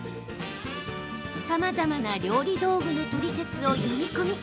さまざまな料理道具のトリセツを読み込み